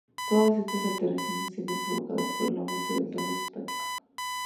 Todas estas alteraciones serían provocadas por el aumento del tono simpático.